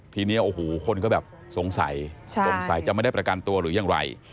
ทีนี้คนก็สงสัยจะไม่ได้ประกันตัวหรือยังไร